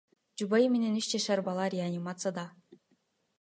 Жубайы менен үч жашар бала реанимацияда.